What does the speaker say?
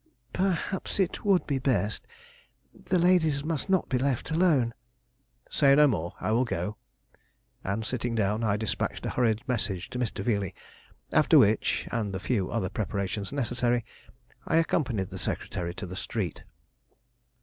"Perhaps it would be best. The ladies must not be left alone " "Say no more; I will go." And, sitting down, I despatched a hurried message to Mr. Veeley, after which, and the few other preparations necessary, I accompanied the secretary to the street.